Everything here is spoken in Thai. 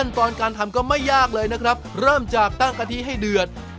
ตอนการทำก็ไม่ยากเลยนะครับเริ่มจากตั้งกะทิให้เดือด